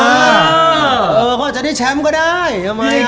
เฮ้ยซึ่งอ่ะเขาอาจจะไม่อยู่ในทศดีนี้ก็ได้นะ